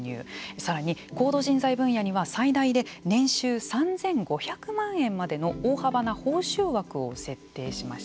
さらに高度人材分野には最大で年収３５００万円までの大幅な報酬額を設定しました。